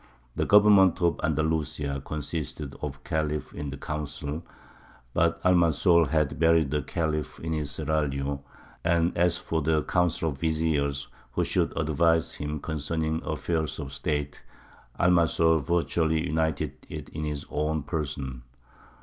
The government of Andalusia consisted of the Khalif in council; but Almanzor had buried the Khalif in his seraglio; and as for the Council of Vizirs who should advise him concerning affairs of State, Almanzor virtually united it in his own person.